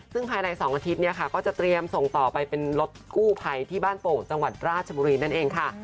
ซึ่งภายใน๒อาทิตย์เนี่ยค่ะก็จะเตรียมส่งต่อไปเป็นรถกู้ภัยที่บ้านโป่งจังหวัดราชบุรีนั่นเองค่ะ